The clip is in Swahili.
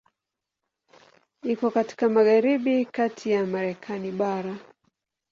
Iko katika magharibi kati ya Marekani bara.